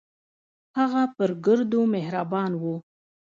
هغه پر ګردو مهربان و.